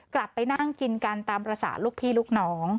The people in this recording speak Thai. กลับไปนั่งกินกันตามภาษาลูกพี่ลูกน้อง